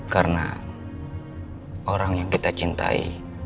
karena orang yang kita cintai